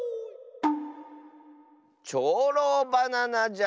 「ちょうろうバナナ」じゃ！